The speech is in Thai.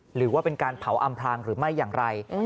หรือว่าเป็นการเผาอำพลางหรือไม่อย่างไร